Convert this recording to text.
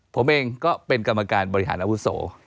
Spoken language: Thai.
ผมเองก็เป็นกรรมการบริหารอาวุโส